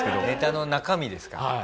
ネタの中身ですか？